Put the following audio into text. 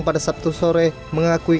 pada sabtu sore mengakui